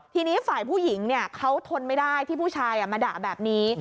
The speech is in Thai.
ทีนี้ฝ่ายผู้หญิงเขาทนไม่ได้ที่ผู้ชายมาด่าแบบนี้